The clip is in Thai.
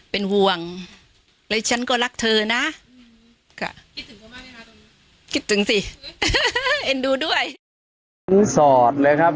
เป็นห่วงแล้วฉันก็รักเธอนะค่ะคิดถึงสิเอ็นดูด้วยสอดเลยครับ